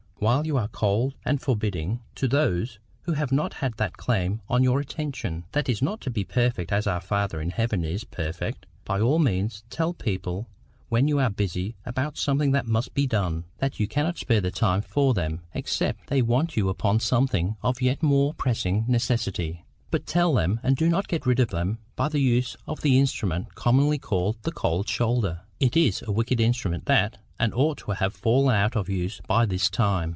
—while you are cold and forbidding to those who have not that claim on your attention. That is not to be perfect as our Father in heaven is perfect. By all means tell people, when you are busy about something that must be done, that you cannot spare the time for them except they want you upon something of yet more pressing necessity; but TELL them, and do not get rid of them by the use of the instrument commonly called THE COLD SHOULDER. It is a wicked instrument that, and ought to have fallen out of use by this time.